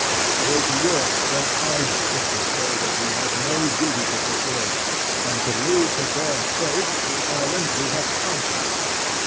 It is worse than idle to say that we have no duty to perform, and can leave to their fates the islands we have conquered.